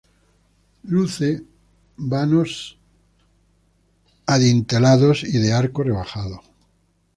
Luce vanos adintelados y de arco rebajado.